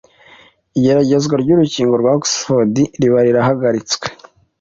igeragezwa ry'urukingo rwa Oxford riba rihagaritswe